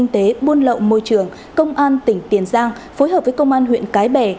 buôn lậu môi trường công an tỉnh tiền giang phối hợp với công an huyện cái bè